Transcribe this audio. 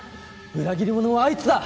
裏切り者はあいつだ！